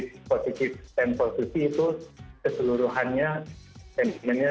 nah kalau menurut saya menteri susi stand up for susi itu keseluruhannya sentimennya positif